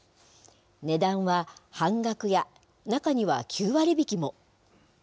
値段は半額や、中には９割引きも。